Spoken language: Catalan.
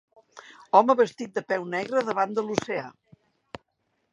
Home vestit de peu negre davant de l'oceà.